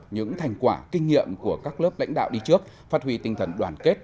những thành quả kinh nghiệm của các lớp lãnh đạo đi trước phát huy tinh thần đoàn kết